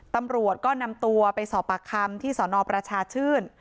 ตำรวจก็นำตัวไปสอบปากคำที่สนประชาชื่น